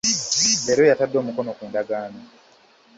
Leero yatadde omukono ku ndagaano.